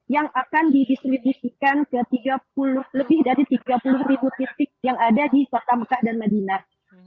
yang akan didistribusikan ke lebih dari tiga puluh ribu titik yang ada di kota mekah dan madinah